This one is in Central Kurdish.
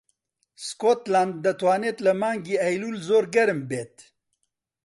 سکۆتلاند دەتوانێت لە مانگی ئەیلوول زۆر گەرم بێت.